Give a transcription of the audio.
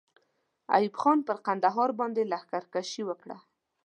ایوب خان پر کندهار باندې لښکر کشي وکړه.